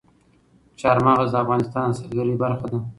چار مغز د افغانستان د سیلګرۍ برخه ده.